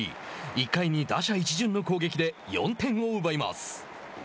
１回に、打者一巡の攻撃で４点を奪います。